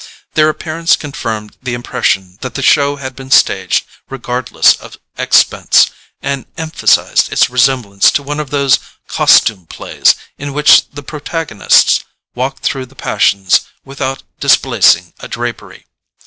Their appearance confirmed the impression that the show had been staged regardless of expense, and emphasized its resemblance to one of those "costume plays" in which the protagonists walk through the passions without displacing a drapery.